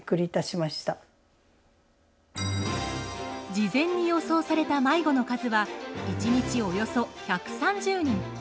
事前に予想された迷子の数は１日およそ１３０人。